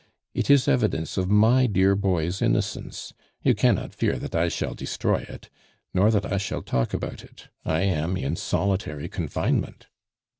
It is evidence of my dear boy's innocence you cannot fear that I shall destroy it nor that I shall talk about it; I am in solitary confinement."